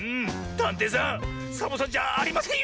たんていさんサボさんじゃありませんよ。